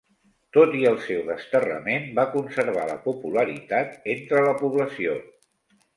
Tot i el seu desterrament va conservar la popularitat entre la població.